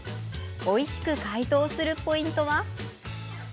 おいしく解凍するポイントは。